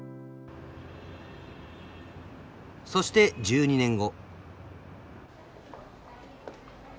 ［そして１２年後］